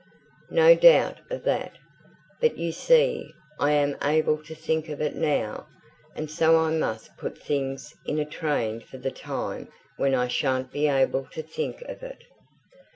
"No doubt of that. But you see I am able to think of it now, and so I must put things in a train for the time when I shan't be able to think of it."